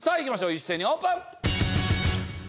一斉にオープン！